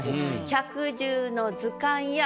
「百獣の図鑑や」。